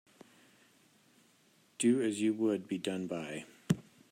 Do as you would be done by.